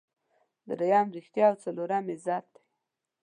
دریم ریښتیا او څلورم عزت دی.